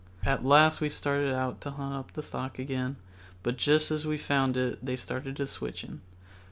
At last we started out to hunt up the stock again, but just as we found it they started to switching.